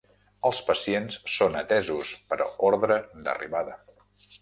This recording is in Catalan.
Els pacients són atesos per ordre d'arribada.